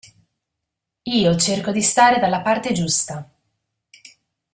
Io cerco di stare dalla parte giusta.